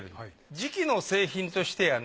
磁器の製品としてはね